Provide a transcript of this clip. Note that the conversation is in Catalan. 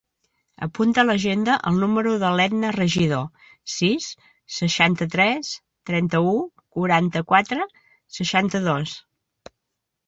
Apunta a l'agenda el número de l'Etna Regidor: sis, seixanta-tres, trenta-u, quaranta-quatre, seixanta-dos.